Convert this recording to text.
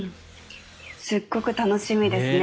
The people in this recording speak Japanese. すっごく楽しみですね。